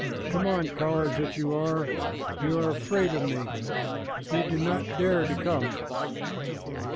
Come on, cowards that you are! You are afraid of me. You do not dare to come!"